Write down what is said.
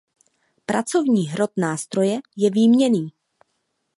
Pracovní hrot nástroje je výměnný.